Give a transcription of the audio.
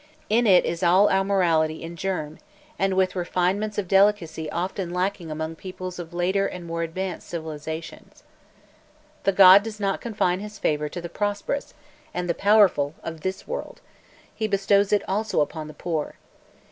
In it is all our morality in germ, and with refinements of delicacy often lacking among peoples of later and more advanced civilizations. The god does not confine his favour to the prosperous and the powerful of this world; he bestows it also upon the poor.